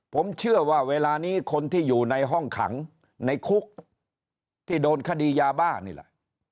ผมเชื่อว่าเวลานี้คนที่อยู่ในห้องขังในคุกที่โดนคดียาบ้านี่แหละ